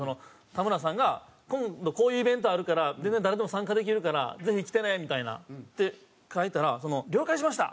たむらさんが「今度こういうイベントあるから全然誰でも参加できるからぜひ来てね」みたいに書いてたら「了解しました！」